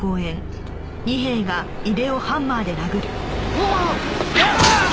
うわあっ！